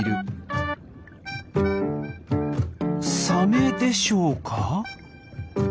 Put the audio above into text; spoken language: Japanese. サメでしょうか？